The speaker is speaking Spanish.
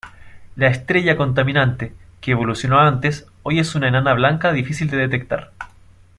La estrella contaminante, que evolucionó antes, hoy es una enana blanca difícil de detectar.